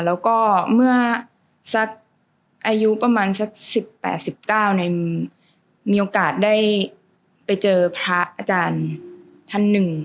แล้วก็เมื่อสักอายุประมาณสัก๑๘๑๙มีโอกาสได้ไปเจอพระอาจารย์ท่านหนึ่ง